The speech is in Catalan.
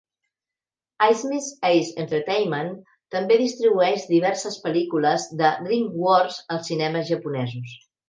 Asmik Ace Entertainment també distribueix diverses pel·lícules de DreamWorks als cinemes japonesos.